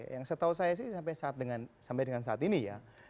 yang saya tahu saya sih sampai saat dengan sampai dengan saat ini ya